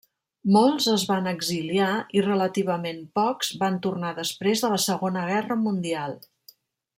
Molts es van exiliar i relativament pocs van tornar després de la Segona Guerra Mundial.